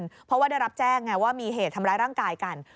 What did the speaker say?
เพราะว่าได้รับแจ้งไงว่ามีเหตุทำร้ายร่างกายกัน